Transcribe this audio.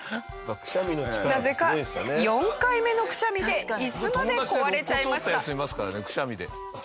なぜか４回目のくしゃみで椅子まで壊れちゃいました。